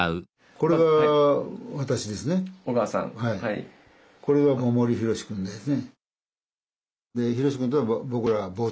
これが大森宏くんですね。